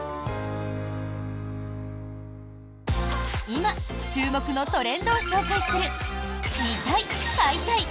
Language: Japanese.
今、注目のトレンドを紹介する「見たい！買いたい！